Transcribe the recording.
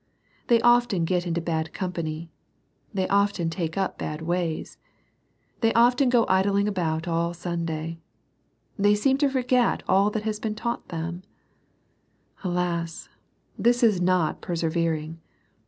They often get into bad company ; they often take up bad ways ; they often go idling about all Sunday. They seem to forget all that has been taught them Alas ! this is not persevering.